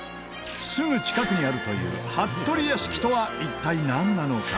すぐ近くにあるという服部屋敷とは一体なんなのか？